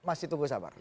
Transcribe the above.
masih tunggu sabar